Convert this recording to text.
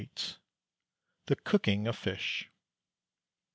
PART II. _THE COOKING OF FISH.